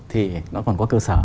thì nó còn có cơ sở